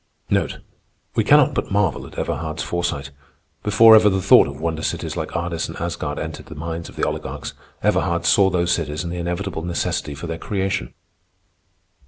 We cannot but marvel at Everhard's foresight. Before ever the thought of wonder cities like Ardis and Asgard entered the minds of the oligarchs, Everhard saw those cities and the inevitable necessity for their creation.